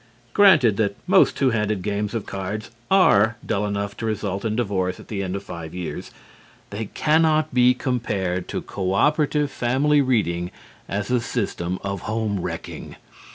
Granted that most two handed games of cards are dull enough to result in divorce at the end of five years, they cannot be compared to co operative family reading as a system of home wrecking.